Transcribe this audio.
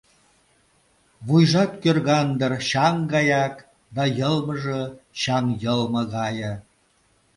Вуйжат кӧрган дыр чаҥ гаяк, да йылмыже чаҥ йылме гае…